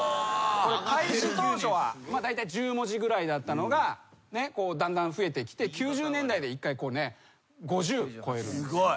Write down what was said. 開始当初はだいたい１０文字ぐらいだったのがだんだん増えてきて９０年代で１回５０を超える。